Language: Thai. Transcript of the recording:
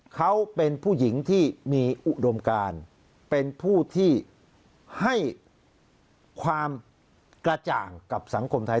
เขาเป็นผู้หญิงที่มีอุดมการเป็นผู้ที่ให้ความกระจ่างกับสังคมไทย